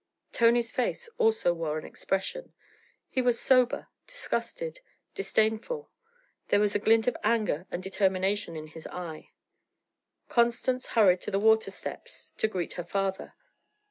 Tony's face also wore an expression; he was sober, disgusted, disdainful; there was a glint of anger and determination in his eye. Constance hurried to the water steps to greet her father.